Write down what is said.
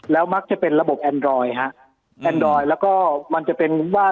แล้วมักจะเป็นระบบแอนดอยฮะแอนดอยแล้วก็มันจะเป็นว่า